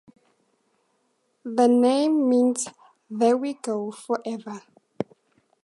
The name means "there we go forever".